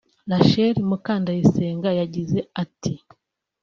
Rachel Mukandayisenga yagize ati